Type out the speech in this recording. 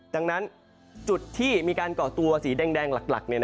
ดังนั้นจุดที่มีการก่อตัวสีแดงหลัก